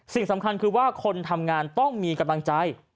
สิ่งสำคัญคือว่าคนทำงานต้องมีกำลังใจ